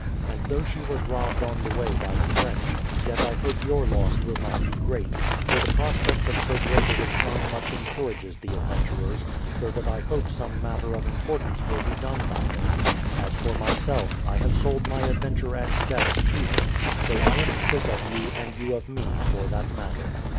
And though she was robbed on the way by the French, yet I hope your loss will not be great, for the prospect of THE PLYMOUTH SETTLEMENT 101 ;o great a return much encourages the adventurers, so that I hope some matter of importance will he done by them. ... As for my self, I have sold my adventure and debts to them, so I am quit o£ you, and j ou of me, for that matter.